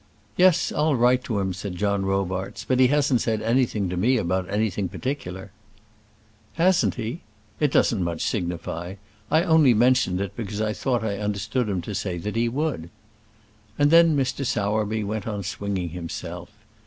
"Yes; I'll write to him," said John Robarts; "but he hasn't said anything to me about anything particular." "Hasn't he? It does not much signify. I only mentioned it because I thought I understood him to say that he would." And then Mr. Sowerby went on swinging himself.